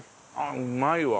うまいわ。